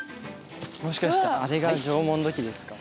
もしかしてあれが縄文土器ですか？